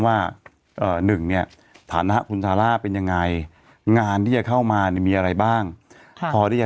ว่าหนึ่งเนี่ยฐานะคุณซาร่าเป็นยังไงงานที่จะเข้ามาเนี่ยมีอะไรบ้างพอที่จะ